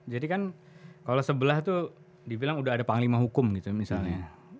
jadi kan kalau sebelah itu dibilang udah ada panglima hukum gitu misalnya